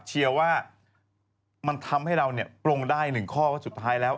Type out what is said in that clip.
เชียร์ว่ามันทำให้เราปลงได้หนึ่งข้อว่าสุดท้ายแล้ว